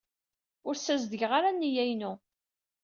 Ur ssazedgeɣ ara nneyya-inu.